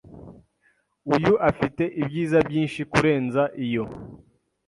Uyu afite ibyiza byinshi kurenza iyo.